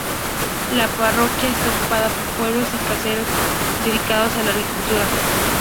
La parroquia está ocupada por pueblos y caseríos dedicados a la agricultura.